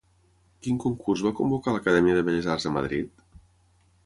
Quin concurs va convocar l'Acadèmia de Belles Arts de Madrid?